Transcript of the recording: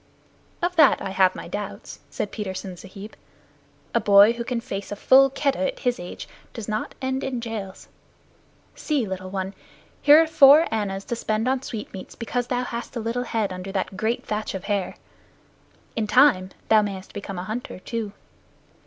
"Of that I have my doubts," said Petersen Sahib. "A boy who can face a full Keddah at his age does not end in jails. See, little one, here are four annas to spend in sweetmeats because thou hast a little head under that great thatch of hair. In time thou mayest become a hunter too."